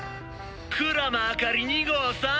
「鞍馬あかり２号さん！」